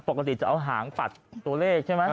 ปกติจะเอาหางปัดตัวเลขใช่ไหม